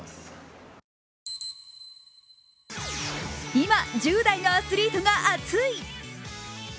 今１０代のアスリートが熱い！